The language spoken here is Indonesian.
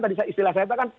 tadi istilah saya itu kan